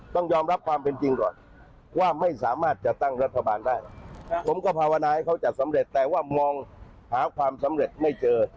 แต่ว่ามองหาความสำเร็จไม่เจอ